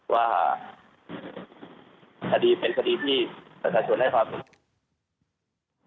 ว่าคดีเป็นคดีที่ประชาชนให้ความเห็น